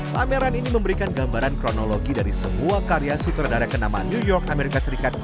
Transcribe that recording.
pameran ini memberikan gambaran kronologi dari semua karya sutradara kenama new york amerika serikat